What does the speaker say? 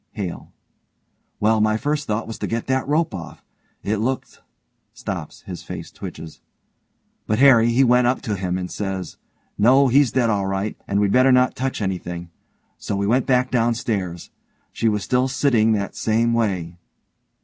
HALE: Well, my first thought was to get that rope off. It looked ... (stops, his face twitches) ... but Harry, he went up to him, and he said, 'No, he's dead all right, and we'd better not touch anything.' So we went back down stairs. She was still sitting that same way.